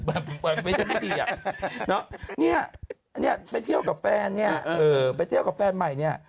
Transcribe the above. แบบเป็นพิธีดีเนอะเนี่ยไปเที่ยวกับแฟนเนี่ยไปเที่ยวกับแฟนใหม่เนี่ย